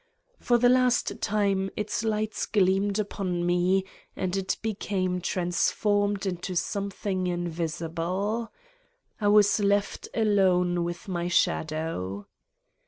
For the last time its lights gleamed npon Me and it became trans formed into something invisible. I was left alone with my shadow.